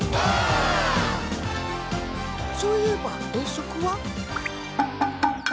そういえば遠足は？